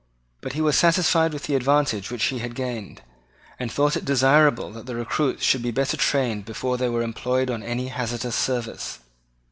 But he was satisfied with the advantage which he had gained, and thought it desirable that his recruits should be better trained before they were employed in any hazardous service.